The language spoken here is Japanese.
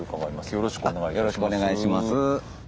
よろしくお願いします。